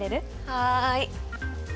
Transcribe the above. はい。